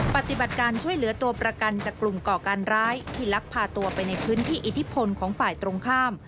ปฏิบัติการช่วยเหลือตัวประกันจากกลุ่มก่อการร้ายที่ลักพาตัวไปในพื้นที่อิทธิพลของฝ่ายตรงข้าม